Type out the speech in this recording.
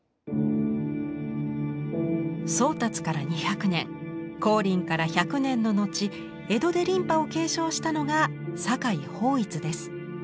宗達から２００年光琳から１００年の後江戸で琳派を継承したのが酒井抱一です。